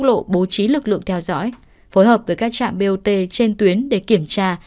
công an quốc lộ bố trí lực lượng theo dõi phối hợp với các trạm bot trên tuyến để kiểm tra